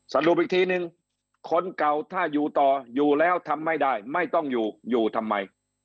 สรุปอีกทีนึงคนเก่าถ้าอยู่ต่ออยู่แล้วทำไม่ได้ไม่ต้องอยู่อยู่ทำไม